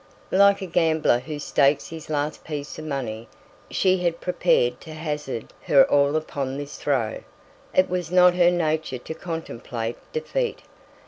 Like a gambler who stakes his last piece of money, she had prepared to hazard her all upon this throw; it was not her nature to contemplate defeat.